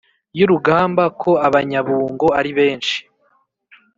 yurugamba ko abanyabungo aribenshi